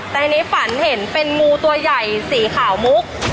แต่อันนี้ฝันเห็นเป็นงูตัวใหญ่สีขาวมุก